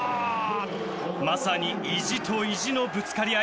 まさに意地と意地のぶつかり合い。